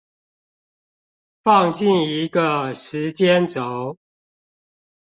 放進一個時間軸